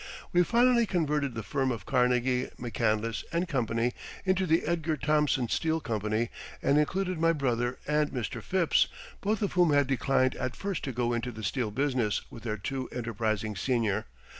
We finally converted the firm of Carnegie, McCandless & Co. into the Edgar Thomson Steel Company, and included my brother and Mr. Phipps, both of whom had declined at first to go into the steel business with their too enterprising senior.